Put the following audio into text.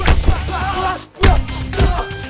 eva buka pintunya